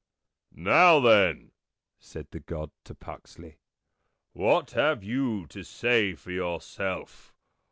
N' JAWK 37 " Now then," said the God to Puxley. "What have you to say for yourself?